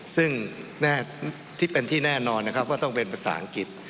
ซึ่งที่เป็นที่แน่นอนนะครับว่าต้องเป็นภาษาอังกฤษ